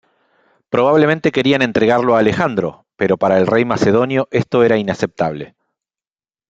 Probablemente querían entregarlo a Alejandro, pero para el rey macedonio esto era inaceptable.